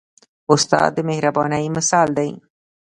استاد د مهربانۍ مثال دی.